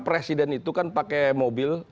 presiden itu kan pakai mobil